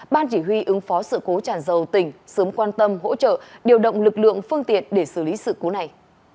ban chỉ huy ứng phó sự cố tràn dầu tỉnh sớm quan tâm hỗ trợ điều động lực lượng phương tiện để xử lý sự cố này